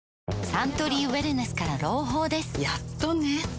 サントリーウエルネスから朗報ですやっとね